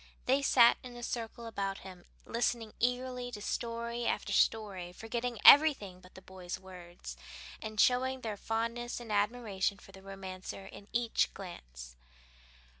They sat in a circle about him, listening eagerly to story after story, forgetting everything but the boy's words, and showing their fondness and admiration for the romancer in each glance.